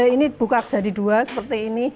ini buka jadi dua seperti ini